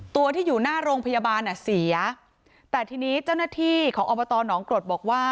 ตัวที่อยู่หน้าโรงพยาบาลอ่ะเสียแต่ทีนี้เจ้าหน้าที่ของอบตหนองกรดบอกว่า